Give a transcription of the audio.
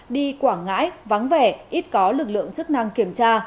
đi quảng ngãi vắng vẻ ít có lực lượng chức năng kiểm tra